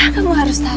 kamu harus tahu